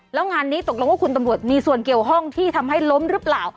แล้วงานนี้ตกลงว่าคุณตำรวจมีส่วนเกี่ยวห้องที่ทำให้ล้มหรือเปล่า